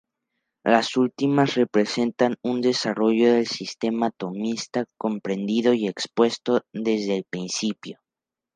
Las últimas representan un desarrollo del sistema tomista, comprendido y expuesto desde el principio.